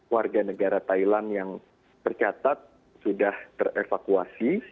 warga negara thailand yang tercatat sudah terevakuasi